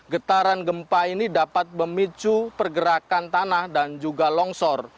getaran gempa ini dapat memicu pergerakan tanah dan juga longsor